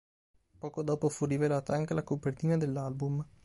Poco dopo fu rivelata anche la copertina dell'album.